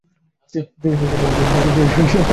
তিনি শৈশবে সুলতান হন।